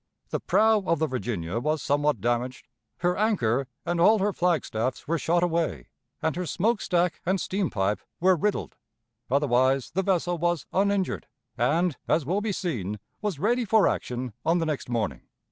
The prow of the Virginia was somewhat damaged, her anchor and all her flag staffs were shot away, and her smoke stack and steam pipe were riddled; otherwise, the vessel was uninjured, and, as will be seen, was ready for action on the next morning.